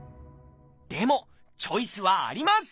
でもチョイスはあります！